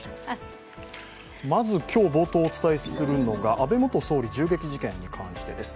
まず今日冒頭お伝えするのが安倍元総理銃撃事件に関してです。